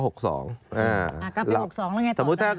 ก็เป็น๖๒แล้วไง